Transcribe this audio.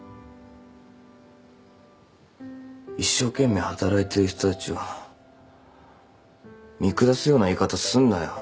一生懸命働いてる人たちを見下すような言い方すんなよ。